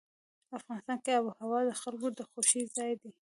افغانستان کې آب وهوا د خلکو د خوښې ځای دی.